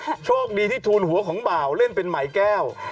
โชคดีที่ทูลหัวของบ่าวเล่นเป็นไหมแก้ว